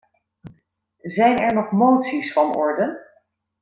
Zijn er nog moties van orde?